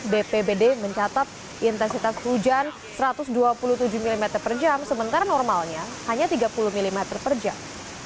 bpbd mencatat intensitas hujan satu ratus dua puluh tujuh mm per jam sementara normalnya hanya tiga puluh mm per jam